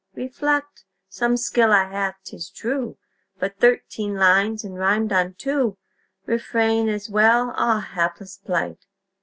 Reflect. Some skill I have, 'tis true; But thirteen lines! and rimed on two! "Refrain" as well. Ah, Hapless plight!